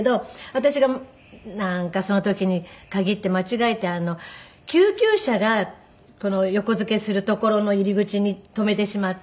私がなんかその時に限って間違えて救急車が横付けする所の入り口に止めてしまって。